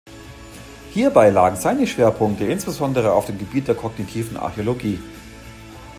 Hierbei lagen seine Schwerpunkte insbesondere auf dem Gebiet der kognitiven Archäologie.